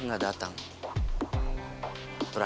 aku k crist dia sempurna